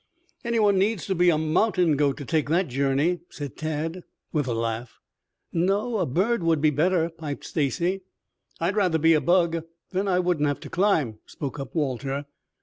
"Anyone needs to be a mountain goat to take that journey," said Tad, with a laugh. "No, a bird would be better," piped Stacy. "I'd rather be a bug, then I wouldn't have to climb," spoke up Walter.